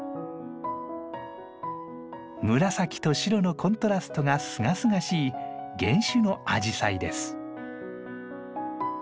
紫と白のコントラストがすがすがしい原種のアジサイです。